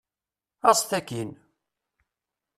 Aẓet akkin!